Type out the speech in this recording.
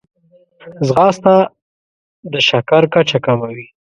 ځغاسته د شکر کچه کموي